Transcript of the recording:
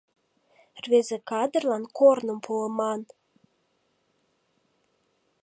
Рвезе кадрлан корным пуыман.